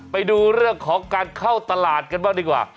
ไปดูเรื่องของการเข้าตลาดกันบ้างดีกว่า